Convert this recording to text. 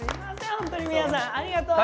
ホントに皆さんありがとう。